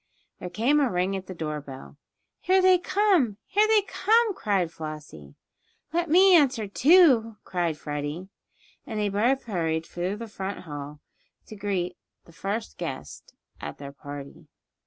There came a ring at the door bell. "Here they come! Here they come!" cried Flossie. "Let me answer, too," cried Freddie, and they both hurried through the front hall to greet the first guest at their party.